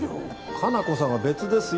可南子さんは別ですよ。